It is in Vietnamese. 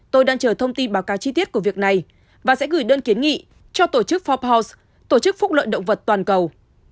tôi đang chờ thông tin báo cáo chi tiết của việc này và sẽ gửi đơn kiến nghị cho tổ chức forbource tổ chức phúc lợi động vật toàn cầu